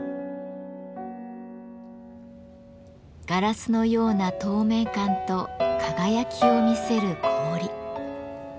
ガラスのような透明感と輝きを見せる氷。